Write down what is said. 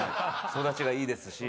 育ちがいいですし。